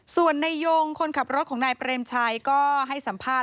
ส่วนในยงคนขับรถของนายเปรมชัยก็ให้สัมภาษณ